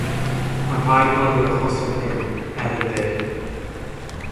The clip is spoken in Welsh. Mae'n rhaid nodi'r achosion hyn, er yn fyr.